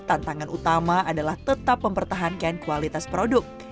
tantangan utama adalah tetap mempertahankan kualitas produk